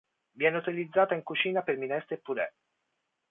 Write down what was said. Viene utilizzata in cucina per minestre e purè.